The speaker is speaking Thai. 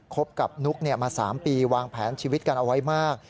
คบกับนุ๊กมา๓ปีวางแผนชีวิตกันเอาไว้มาก